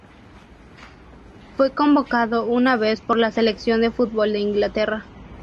Fue convocado una vez por la selección de fútbol de Inglaterra.